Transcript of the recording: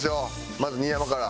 まず新山から。